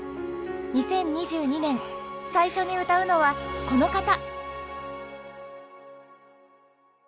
２０２２年最初に歌うのはこの方